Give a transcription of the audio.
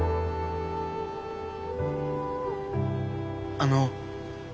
あの。